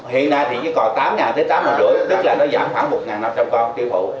hiện nay thì chỉ còn tám tám năm trăm linh tức là nó giảm khoảng một năm trăm linh con tiêu thụ